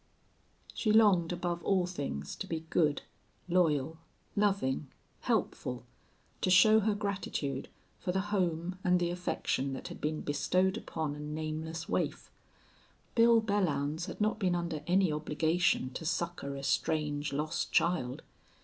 She longed above all things to be good, loyal, loving, helpful, to show her gratitude for the home and the affection that had been bestowed upon a nameless waif. Bill Belllounds had not been under any obligation to succor a strange, lost child.